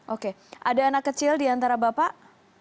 oke ada anak kecil diantara bapak